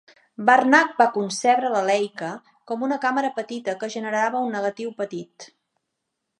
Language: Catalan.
Barnack va concebre la Leica com una càmera petita que generava un negatiu petit.